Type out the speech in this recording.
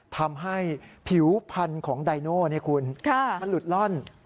ทำให้ผิวพันธุ์ของไดโน่คุณมันหลุดล่อน